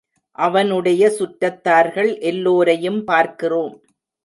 அவனுடைய சுற்றத்தார்கள் எல்லோரையும் பார்க்கிறோம்.